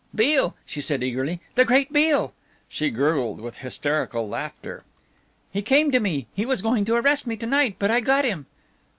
"Beale!" she said eagerly, "the great Beale!" She gurgled with hysterical laughter. "He came to me, he was going to arrest me to night, but I got him."